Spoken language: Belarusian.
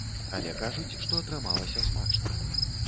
Але, кажуць, што атрымалася смачна.